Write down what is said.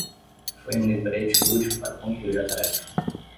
Foi um lembrete útil para concluir a tarefa.